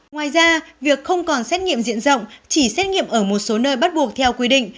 ngoài ra việc không còn xét nghiệm diện rộng chỉ xét nghiệm ở một số nơi bắt buộc theo quy định